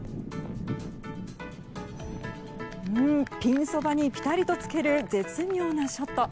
ピンそばにぴたりとつける絶妙なショット。